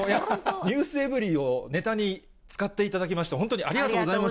ｎｅｗｓｅｖｅｒｙ．をネタに使っていただきまして、本当にあありがとうございます。